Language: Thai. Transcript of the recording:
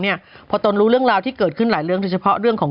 พอตนรู้เรื่องราวที่เกิดขึ้นหลายเรื่องโดยเฉพาะเรื่องของ